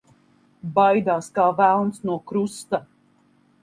Baidās kā velns no krusta.